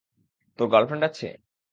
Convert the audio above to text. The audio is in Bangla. তোর গার্লফ্রেন্ড আছে?